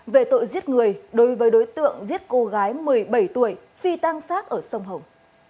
về tội giết người đối với đối tượng giết cô gái một mươi bảy tuổi phi tang sát ở sông hồng